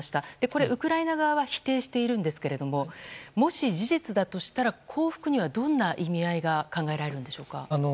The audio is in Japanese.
これ、ウクライナ側は否定しているんですけれどももし、事実だとしたら降伏にはどんな意味合いが考えられるんでしょか？